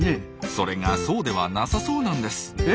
それがそうではなさそうなんです。え？